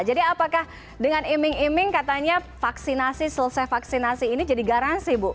jadi apakah dengan iming iming katanya vaksinasi selesai vaksinasi ini jadi garansi bu